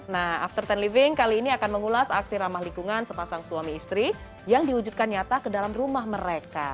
nah after sepuluh living kali ini akan mengulas aksi ramah lingkungan sepasang suami istri yang diwujudkan nyata ke dalam rumah mereka